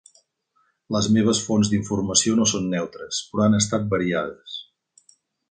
Les meves fonts d'informació no són neutres, però han estat variades.